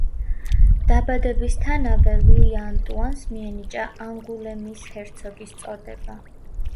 დაბადებისთანავე ლუი ანტუანს მიენიჭა ანგულემის ჰერცოგის წოდება.